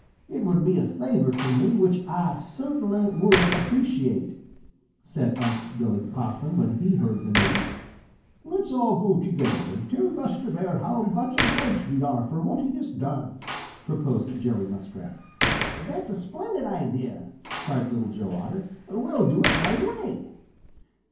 It would be a favor to me which Ah cert'nly would appreciate," said Unc' Billy Possum when he heard the news. "Let's all go together and tell Buster Bear how much obliged we are for what he has done," proposed Jerry Muskrat. "That's a splendid idea!" cried Little Joe Otter. "We'll do it right away."